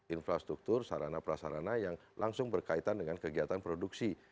infrastruktur sarana prasarana yang langsung berkaitan dengan kegiatan produksi